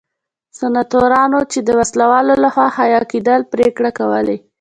سناتورانو چې د وسله والو لخوا حیه کېدل پرېکړې کولې.